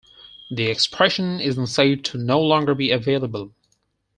The expression is then said to no longer be available.